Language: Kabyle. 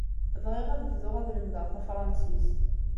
Bɣiɣ ad bduɣ ad lemdeɣ tafṛansist.